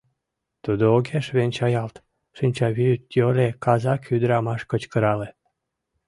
— Тудо огеш венчаялт, — шинчавӱд йӧре казак ӱдырамаш кычкырале.